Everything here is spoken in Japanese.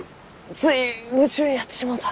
つい夢中になってしもうた。